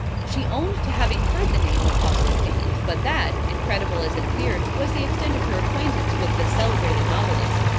She owned to having heard the name of Osric Dane; but that incredible as it appeared was the extent of her acquaintance with the celebrated novelist.